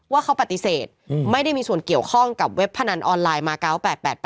ว่าเขาปฏิเสธไม่ได้มีส่วนเกี่ยวข้องกับเว็บพนันออนไลน์มา๙๘๘